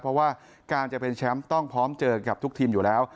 เพราะว่าการจะเป็นแชมป์ต้องพร้อมเจอกับทุกทีมอยู่แล้ว